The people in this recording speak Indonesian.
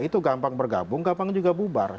itu gampang bergabung gampang juga bubar